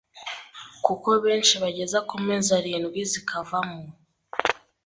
kuko benshi bageza ku mezi arindwi zikavamwo